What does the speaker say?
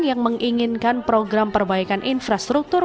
yang menginginkan program perbaikan infrastruktur